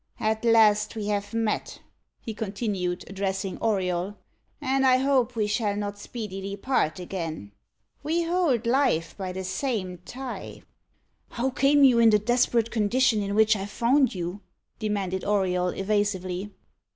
At last we have met," he continued, addressing Auriol, "and I hope we shall not speedily part again. We hold life by the same tie." "How came you in the desperate condition in which I found you?" demanded Auriol evasively.